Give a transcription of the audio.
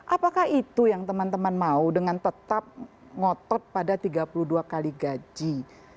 apakah itu yang teman teman mau dengan tetap ngotot pada tiga puluh dua kali gaji